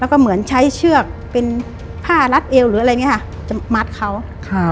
แล้วก็เหมือนใช้เชือกเป็นผ้ารัดเอวหรืออะไรอย่างเงี้ค่ะจะมัดเขาครับ